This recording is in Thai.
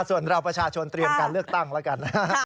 ส่วนเราประชาชนเตรียมการเลือกตั้งแล้วกันนะฮะ